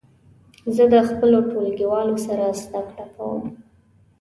زه د خپلو ټولګیوالو سره زده کړه کوم.